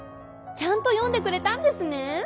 ちゃんと読んでくれたんですねー！